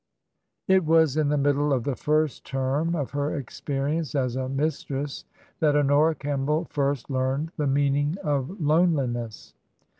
TRANSITION. 73 It was in the middle of the first term of her experi ment as a mistress that Honora Kemball first learned the meaning of loneliness.